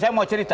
saya mau cerita